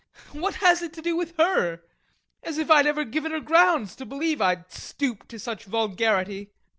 What has it to do with her? As if I'd ever given her grounds to believe I'd stoop to such vulgarity!